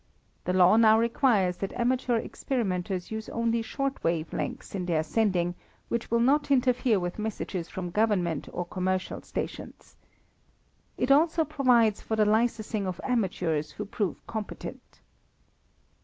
The law now requires that amateur experimenters use only short wave lengths in their sending, which will not interfere with messages from Government or commercial stations. It also provides for the licensing of amateurs who prove competent.